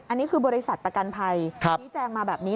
อันนี้คือบริษัทประกันภัยชี้แจงมาแบบนี้